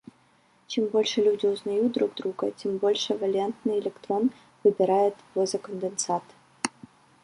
Чем больше люди узнают друг друга, тем больше валентный электрон выбирает бозе-конденсат.